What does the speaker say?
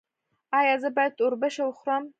ایا زه باید اوربشې وخورم؟